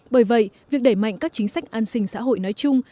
bởi vậy việc đẩy mạnh các chính sách an sinh xã hội nói chung